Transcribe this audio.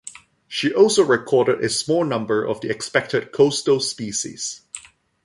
She also recorded a small number of the expected coastal species.